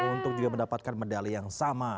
untuk juga mendapatkan medali yang sama